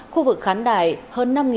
khu vực khán đài hơn năm km